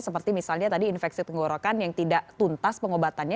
seperti misalnya tadi infeksi tenggorokan yang tidak tuntas pengobatannya